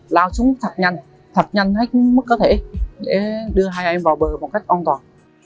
lao xuống thật nhanh thật nhanh hết mức có thể để đưa hai em vào bờ một cách an toàn